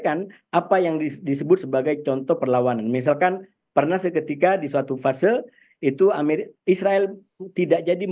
dan itu banyak kasus terjadi